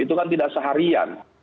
itu kan tidak seharian